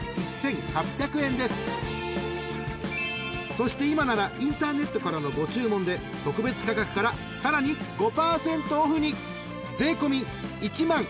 ［そして今ならインターネットからのご注文で特別価格からさらに５％オフに］